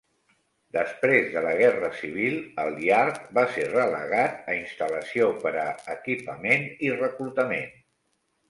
Després de la Guerra Civil, el Yard va ser relegat a instal·lació per a equipament i reclutament.